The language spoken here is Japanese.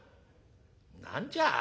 「何じゃ？